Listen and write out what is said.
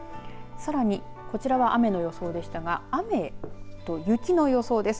さらに、こちらは雨の予想でしたが雨と雪の予想です。